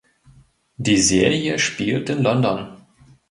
Die Serie spielt in London.